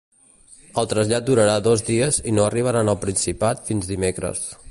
El trasllat durarà dos dies i no arribaran al Principat fins dimecres.